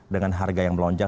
dengan harga yang melonjak